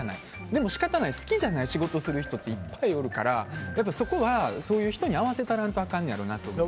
でも仕方ない好きじゃない仕事をする人っていっぱいおるからそこはそういう人に合わせないといけないと思う。